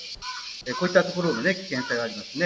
こういったところ危険性がありますね。